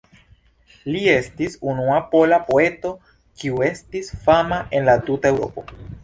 Li estis unua pola poeto kiu estis fama en la tuta Eŭropo.